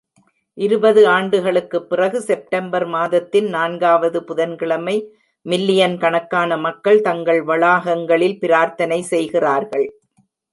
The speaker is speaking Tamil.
இருபது ஆண்டுகளுக்குப் பிறகு, செப்டம்பர் மாதத்தின் நான்காவது புதன்கிழமை மில்லியன் கணக்கான மக்கள் தங்கள் வளாகங்களில் பிரார்த்தனை செய்கிறார்கள்.